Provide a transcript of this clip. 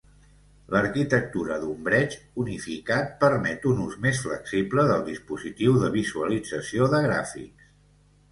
L'arquitectura d'ombreig unificat permet un ús més flexible del dispositiu de visualització de gràfics.